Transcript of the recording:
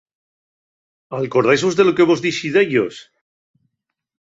¿Alcordáisvos de lo que vos dixi d'ellos?